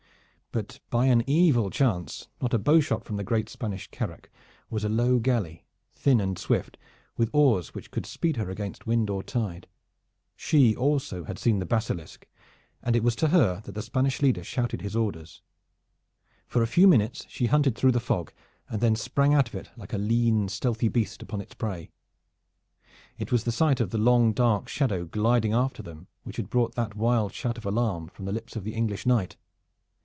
But by an evil chance not a bowshot from the great Spanish carack was a low galley, thin and swift, with oars which could speed her against wind or tide. She also had seen the Basilisk and it was to her that the Spanish leader shouted his orders. For a few minutes she hunted through the fog, and then sprang out of it like a lean and stealthy beast upon its prey. It was the sight of the long dark shadow gliding after them which had brought that wild shout of alarm from the lips of the English knight.